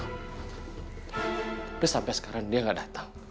tapi sampai sekarang dia nggak datang